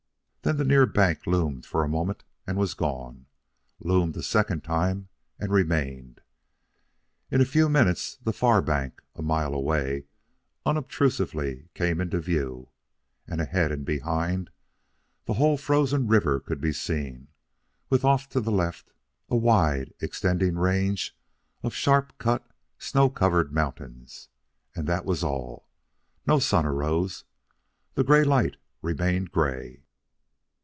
Then the near bank loomed for a moment and was gone, loomed a second time and remained. In a few minutes the far bank, a mile away, unobtrusively came into view, and ahead and behind, the whole frozen river could be seen, with off to the left a wide extending range of sharp cut, snow covered mountains. And that was all. No sun arose. The gray light remained gray.